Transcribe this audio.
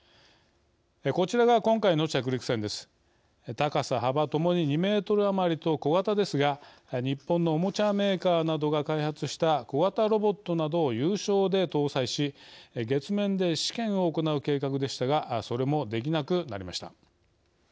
高さ幅ともに２メートル余りと小型ですが日本のおもちゃメーカーなどが開発した小型ロボットなどを有償で搭載し月面で試験を行う計画でしたがそれもできなくなりました。